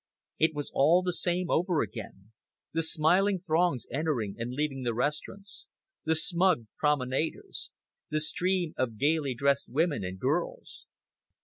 It was all the same over again the smiling throngs entering and leaving the restaurants, the smug promenaders, the stream of gaily dressed women and girls.